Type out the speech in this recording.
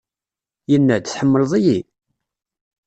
Yenna-d, Tḥemmleḍ-iyi?